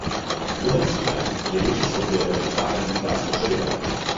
Jeho cílem je větší spokojenost zákazníka a spotřebitele.